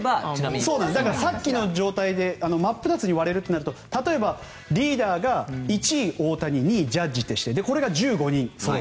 さっきのように真っ二つに割れるとなるとリーダーが１位、大谷２位、ジャッジとしてこれが１５人。